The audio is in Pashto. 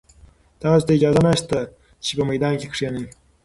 تاسي ته اجازه نشته چې په میدان کې کښېنئ.